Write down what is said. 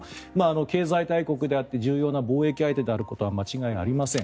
経済大国であって重要な貿易相手であることは間違いありません。